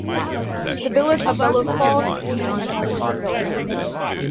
The village of Bellows Falls became an important mill town.